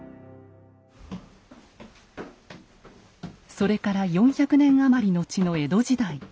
それから４００年余り後の江戸時代。